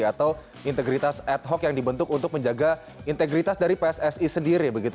atau integritas ad hoc yang dibentuk untuk menjaga integritas dari pssi sendiri begitu